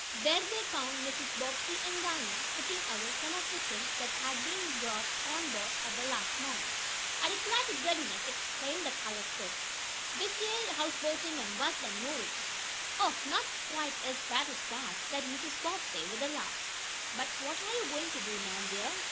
There they found Mrs. Bobbsey and Dinah putting away some of the things that had been brought on board at the last moment. "I 'clar t' goodness!" exclaimed the colored cook, "dish yeah houseboatin' am wuss dan movin'!" "Oh, not quite as bad as that," said Mrs. Bobbsey, with a laugh. "But what are you going to do, Nan, dear?